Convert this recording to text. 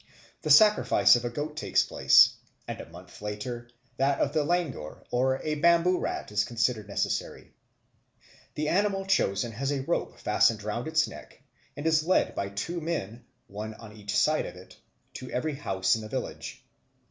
The sacrifice of a goat takes place, and a month later, that of a langur (Entellus monkey) or a bamboo rat is considered necessary. The animal chosen has a rope fastened round its neck and is led by two men, one on each side of it, to every house in the village.